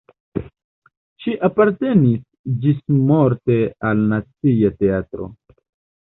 Ŝi apartenis ĝismorte al Nacia Teatro.